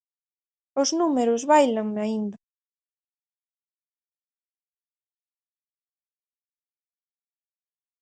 Os números báilanme aínda.